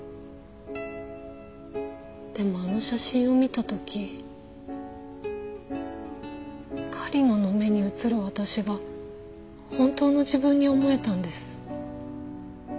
でもあの写真を見た時狩野の目に映る私が本当の自分に思えたんです。